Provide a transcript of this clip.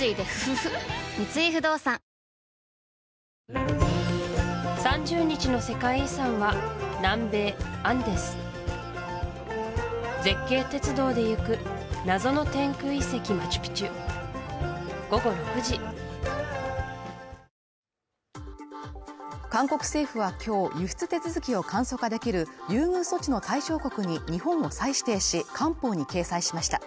三井不動産韓国政府は今日輸出手続きを簡素化できる優遇措置の対象国に日本を再指定し、官報に掲載しました。